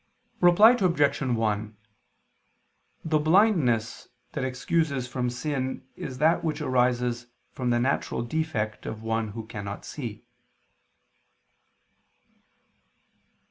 Reply Obj. 1: The blindness that excuses from sin is that which arises from the natural defect of one who cannot see.